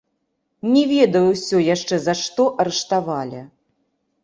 Не ведаю ўсё яшчэ за што арыштавалі.